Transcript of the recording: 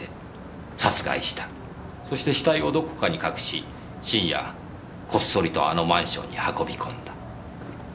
そして死体をどこかに隠し深夜こっそりとあのマンションに運びこんだ。